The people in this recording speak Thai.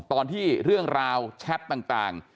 ตอนที่เรื่องราวแชทต่าง